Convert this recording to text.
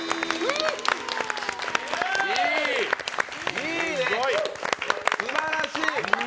いいね、すばらしい。